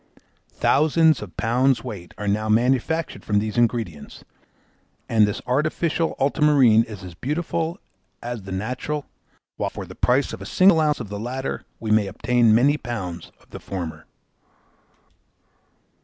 Thousands of pounds weight are now manufactured from these ingredients, and this artificial ultramarine is as beautiful as the natural, while for the price of a single ounce of the latter we may obtain many pounds of the former.